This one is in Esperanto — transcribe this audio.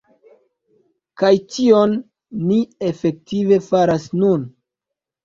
Kaj tion ni efektive faras nun.